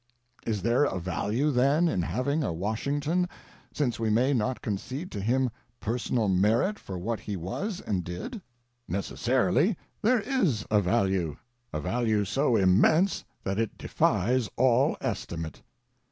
Is there a value, then, in having a Washington, since we may not concede to him personal merit for what he was and did?* Necessarily, there is a value — a value so immense that it defies all estimate.